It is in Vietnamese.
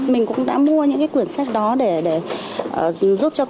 mình cũng đã mua những cái cuốn sách đó để để giúp cho con